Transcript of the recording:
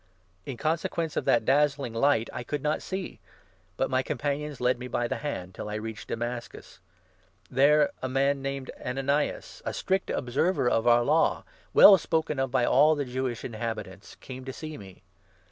In consequence n of that dazzling light I could not see, but my companions led me by the hand, till I reached Damascus. There a man named 12 Ananias, a strict observer of our Law, well spoken of by all the Jewish inhabitants, came to see me.